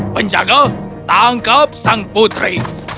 penjaga tangkap sang putri